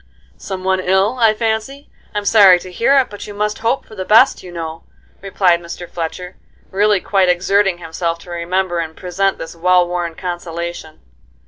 "Some one ill, I fancy? I'm sorry to hear it, but you must hope for the best, you know," replied Mr. Fletcher, really quite exerting himself to remember and present this well worn consolation.